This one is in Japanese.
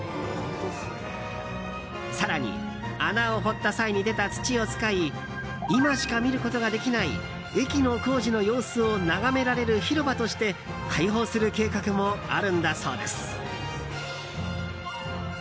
更に穴を掘った際に出た土を使い今しか見ることができない駅の工事の様子を眺められる広場として開放する計画もあるんだそうです。